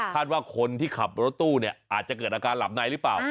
ว่าคนที่ขับรถตู้เนี่ยอาจจะเกิดอาการหลับในหรือเปล่า